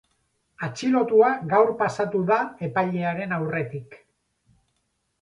Atxilotua gaur pasatu da epailearen aurretik.